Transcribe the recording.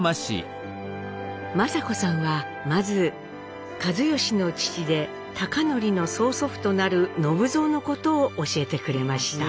仁子さんはまず一嚴の父で貴教の曽祖父となる信蔵のことを教えてくれました。